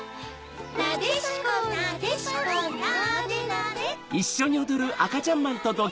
なでしこなでしこなでなでなでなで。